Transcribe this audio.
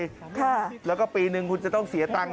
ค่ะแล้วก็ปีหนึ่งคุณจะต้องเสียตังค์